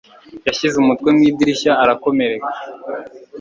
Yashyize umutwe mu idirishya ara komereka.